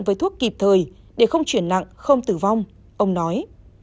với thuốc kịp thời để không chuyển nặng không tử vong ông nói